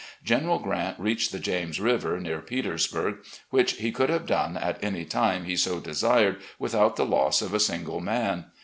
General Grant reached the James River, near Petersburg, which he could have done at any time he so desired without the loss of a single man.